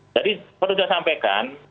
jadi perlu saya sampaikan